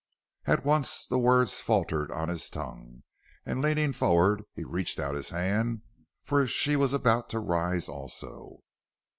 At once the words faltered on his tongue, and leaning forward he reached out his hand, for she was about to rise also.